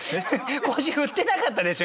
腰振ってなかったでしょ？